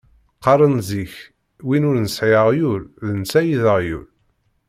Qqaren zik win ur nesɛi aɣyul, d netta ay d aɣyul.